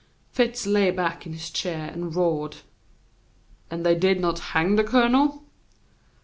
Fitz lay back in his chair and roared. "And they did not hang the colonel?"